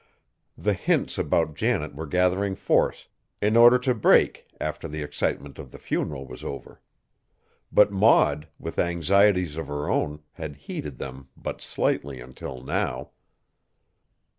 The hints about Janet were gathering force in order to break after the excitement of the funeral was over. But Maud, with anxieties of her own, had heeded them but slightly until now.